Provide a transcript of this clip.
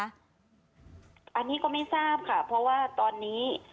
อันนี้ก็ไม่ทราบค่ะเพราะว่าตอนนี้